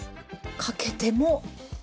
かけても。